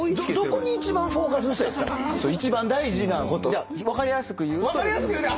じゃあ分かりやすく言うと。